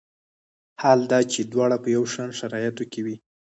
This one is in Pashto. حال دا چې دواړه په یو شان شرایطو کې وي.